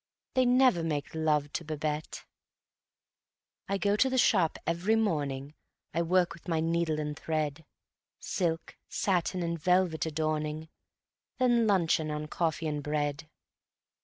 They never make love to Babette. I go to the shop every morning; I work with my needle and thread; Silk, satin and velvet adorning, Then luncheon on coffee and bread.